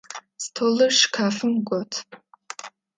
Столыр щкафым гот.